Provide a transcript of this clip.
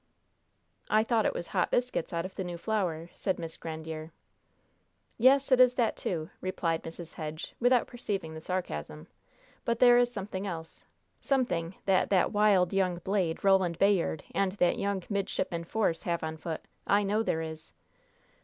"I thought it was hot biscuits out of the new flour," said Miss Grandiere. "Yes, it is that, too," replied Mrs. Hedge, without perceiving the sarcasm; "but there is something else something that that wild young blade, Roland Bayard, and that young Midshipman Force, have on foot. I know there is!"